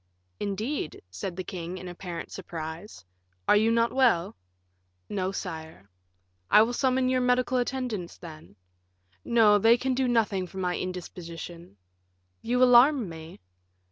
"Indeed," said the king, in apparent surprise; "are you not well?" "No, sire." "I will summon your medical attendants, then." "No, for they can do nothing for my indisposition." "You alarm me."